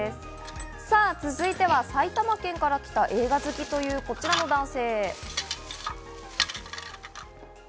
続いては、埼玉県から来た映画好きというこちらの男性。